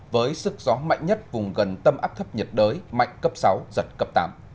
với sức gió mạnh nhất vùng gần tâm áp thấp nhiệt đới mạnh cấp sáu giật cấp tám